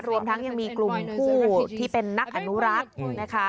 รวมทั้งยังมีกลุ่มผู้ที่เป็นนักอนุรักษ์นะคะ